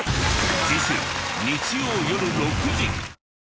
次週日曜よる６時。